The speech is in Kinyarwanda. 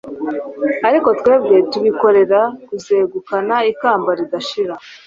ariko twebwe tubikorera kuzegukana ikamba ridashira